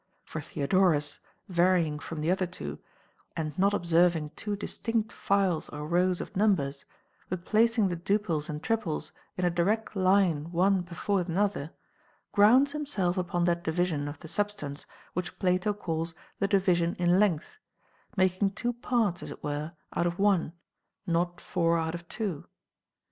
For Theodorus, varying from the other two, and not observing two distinct files or rows of numbers, but placing the duples and triples in a direct line one before another, grounds himself upon that division of the substance which Plato calls the division in length, making two parts (as it were) out of one, not four out of two.